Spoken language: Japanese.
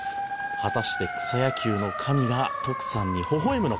「果たして草野球の神がトクサンにほほ笑むのか」